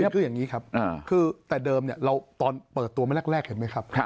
คืออย่างนี้ครับแต่เดิมเนี่ยเราตอนเปิดตัวมาแรกเห็นไหมครับ